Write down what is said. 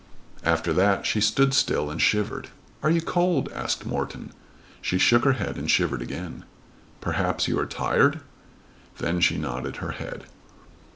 After that she stood still and shivered. "Are you cold?" asked Morton. She shook her head and shivered again. "Perhaps you are tired?" Then she nodded her head.